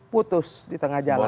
putus di tengah jalan